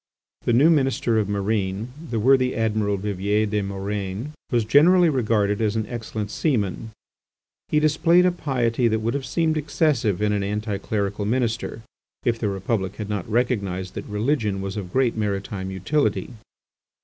The new Minister of Marine, the worthy Admiral Vivier des Murènes, was generally regarded as an excellent seaman. He displayed a piety that would have seemed excessive in an anti clerical minister, if the Republic had not recognised that religion was of great maritime utility.